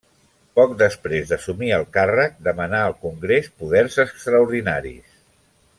Poc després d'assumir el càrrec, demanà al congrés poders extraordinaris.